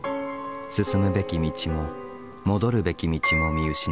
進むべき道も戻るべき道も見失った。